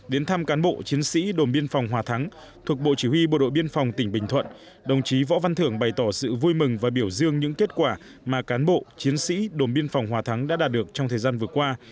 đến thăm cán bộ chiến sĩ đồn biên phòng hòa thắng thuộc bộ chỉ huy bộ đội biên phòng tỉnh bình thuận đồng chí võ văn thưởng bày tỏ sự vui mừng và biểu dương những kết quả mà cán bộ chiến sĩ đồn biên phòng hòa thắng đã đạt được trong thời gian vừa qua